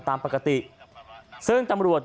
ตามปกติซึ่งตำรวจ